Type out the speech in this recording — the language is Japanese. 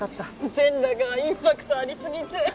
全裸がインパクトありすぎて。